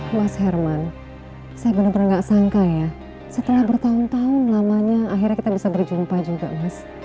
mas herman saya benar benar gak sangka ya setelah bertahun tahun lamanya akhirnya kita bisa berjumpa juga mas